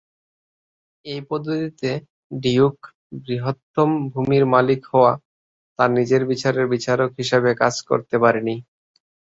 এই পদ্ধতিতে, ডিউক, বৃহত্তম ভূমির মালিক হওয়া, তার নিজের বিচারে বিচারক হিসাবে কাজ করতে পারেনি।